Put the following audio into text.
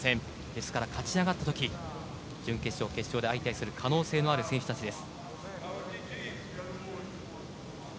ですから、勝ち上がった時準決勝、決勝で相手する可能性のある選手たちです。